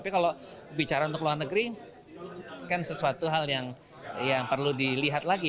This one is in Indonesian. tapi kalau bicara untuk luar negeri kan sesuatu hal yang perlu dilihat lagi